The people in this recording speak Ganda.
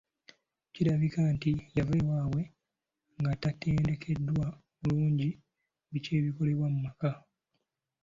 Kirabika nti yava ewaabwe nga tatendekeddwa bulungi biki ebikolebwa mu maka.